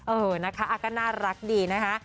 เออน่ารักดีนะคะ